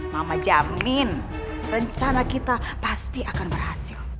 mama jamin rencana kita pasti akan berhasil